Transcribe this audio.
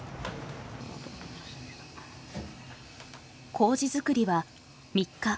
麹づくりは３日。